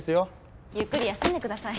ゆっくり休んで下さい。